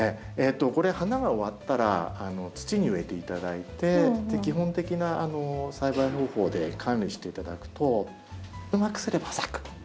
これ花が終わったら土に植えていただいて基本的な栽培方法で管理していただくとうまくすれば咲く。